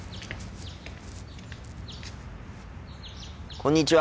こんにちは。